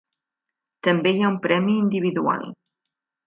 També hi ha un premi individual.